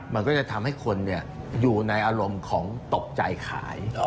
มันก็จะทำให้คนอยู่ในอารมณ์ของตกใจขาย